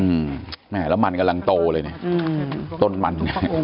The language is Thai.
อืมแล้วมันกำลังโตเลยเนี่ยต้นมัน